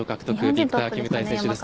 ヴィクター・キムタイ選手です。